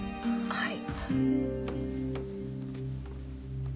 はい。